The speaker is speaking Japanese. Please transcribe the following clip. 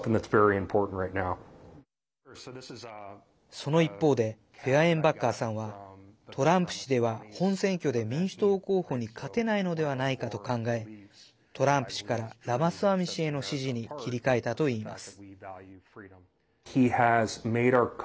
その一方でフェアエンバッカーさんはトランプ氏では本選挙で民主党候補に勝てないのではないかと考えトランプ氏からラマスワミ氏への支持に切り替えたといいます。